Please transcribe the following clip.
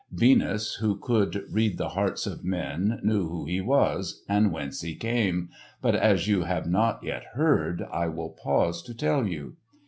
Venus who could read the hearts of men knew who he was and whence he came, but as you have not yet heard, I will pause to tell you.